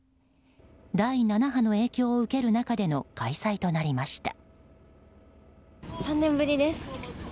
第７波の影響を受ける中での開催となりました。